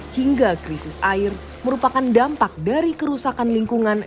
hingga krisis air merupakan dampak dari kerusakan lingkungan